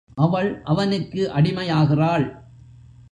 அவள் அவனுக்கு அடிமை ஆகிறாள்.